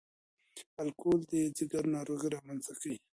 الکول د ځګر ناروغۍ رامنځ ته کوي.